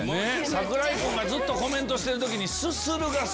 櫻井君がずっとコメントしてる時に。